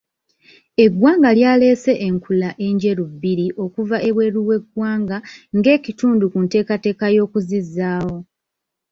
Eggwanga lyaleese enkula enjeru bbiri okuva ebweru w'eggwanga ng'ekitundu ku nteekateeka y'okuzizzaawo.